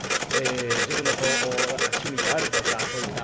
自分の趣味であるとかそういったね